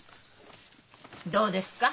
どうですか？